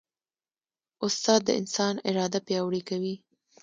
استاد د انسان اراده پیاوړې کوي.